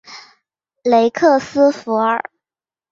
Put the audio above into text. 雷克斯弗尔。